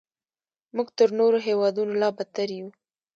موږ تر نورو هیوادونو لا بدتر یو.